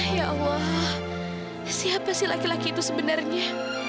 ya allah siapa sih laki laki itu sebenarnya